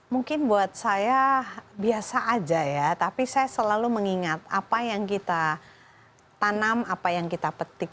mungkin buat saya biasa aja ya tapi saya selalu mengingat apa yang kita tanam apa yang kita petik